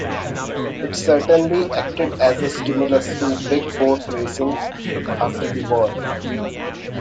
It certainly acted as a stimulus to big boat racing after the war.